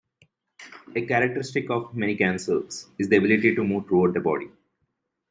A characteristic of many cancers is the ability to move throughout the body.